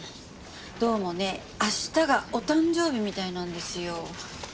どうもね明日がお誕生日みたいなんですよ。